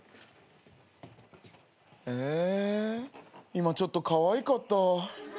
今ちょっとかわいかった。